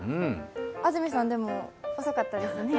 安住さん、でも遅かったですね。